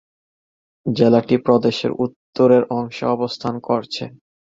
জেলাটি প্রদেশের উত্তরের অংশে অবস্থান করছে।